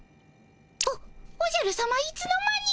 おおじゃるさまいつの間に。